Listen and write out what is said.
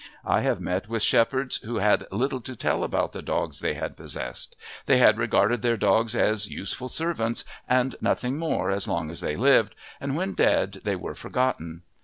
I have met with shepherds who had little to tell about the dogs they had possessed; they had regarded their dogs as useful servants and nothing more as long as they lived, and when dead they were forgotten.